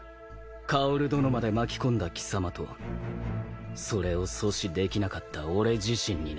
薫殿まで巻き込んだ貴様とそれを阻止できなかった俺自身にな。